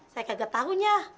saya kagak tahunya